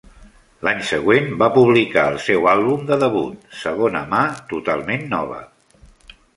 L'any següent va publicar el seu àlbum de debut "Segona Mà Totalment Nova".